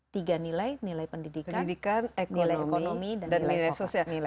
tiga nilai nilai pendidikan nilai ekonomi dan nilai sosial